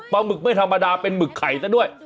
หมึกไม่ธรรมดาเป็นหมึกไข่ซะด้วย